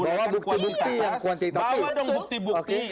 bawa dong bukti bukti